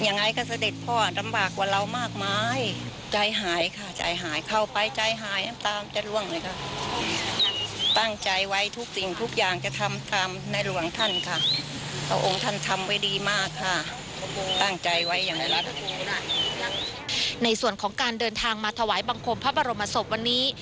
ในส่วนของการเดินทางมาถวายบังคมพระบรมศพวันนี้